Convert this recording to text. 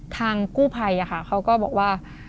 ทางกู้ภัยเขาก็บอกว่า